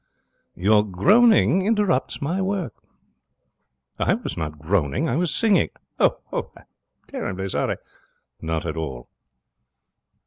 'Your groaning interrupts my work.' 'I was not groaning. I was singing.' 'Oh, I'm sorry!' 'Not at all.'